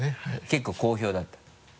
結構好評だった？